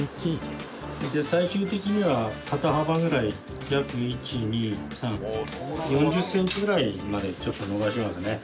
最終的には肩幅ぐらい約１２３４０センチぐらいまでちょっと伸ばしますね。